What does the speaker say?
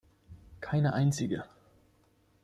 Keine einzige.